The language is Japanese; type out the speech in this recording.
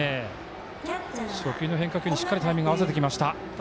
初球の変化球に、しっかりタイミング合わせてきました。